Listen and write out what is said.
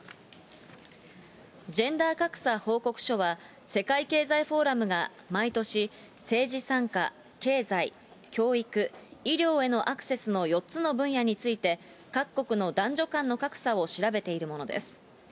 ジェンダー格差報告書は、世界経済フォーラムが毎年、政治参加、経済、教育、医療へのアクセスの４つの分野について、各国の男女間の格差を調べているものです。